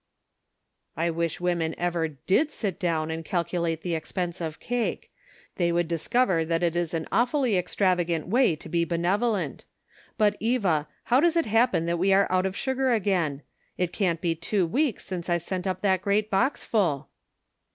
" I wish women ever did sit down and calculate the expense of cake. They would discover that it is an awfully extravagant way to be benevolent; but, Eva, how does it happen that we are out of sugar again? It can't be two weeks since I sent up that great box full!"